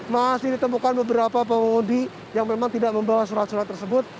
masih ditemukan beberapa pengundi yang memang tidak membawa surat surat tersebut